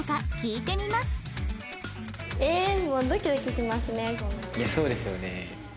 いやそうですよね。